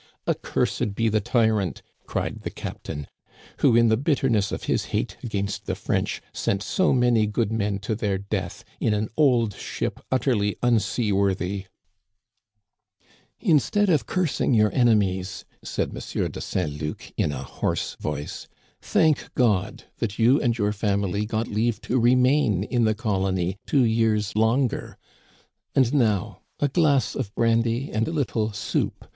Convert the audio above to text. Accursed be the tyrant," cried the captain, " who in the bitterness of his hate against the French sent so many good men to their death in ah old ship utterly un seaworthy !"" Instead of cursing your enemies," said M. de Saint Luc in a hoarse voice, " thank God that you and your family got leave to remain in the colony two years longer. And now, a glass of brandy and a little soup.